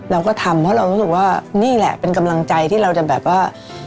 เราก็ทำเพราะเรารู้สึกว่านี่แหละเป็นกำลังใจที่เราจะแบบว่า